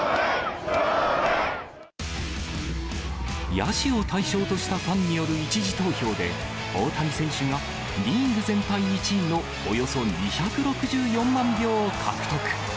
野手を対象としたファンによる１次投票で、大谷選手がリーグ全体１位のおよそ２６４万票を獲得。